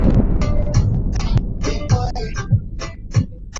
maafisa wa usalama wamewarushia mabomu ya machozi